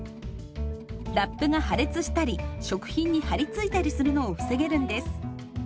ラップが破裂したり食品に張り付いたりするのを防げるんです。